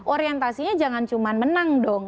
orientasinya jangan cuma menang dong